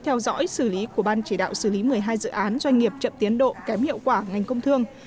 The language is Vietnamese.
theo dõi xử lý của ban chỉ đạo xử lý một mươi hai dự án doanh nghiệp chậm tiến độ kém hiệu quả ngành công thương